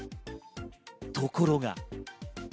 ところが。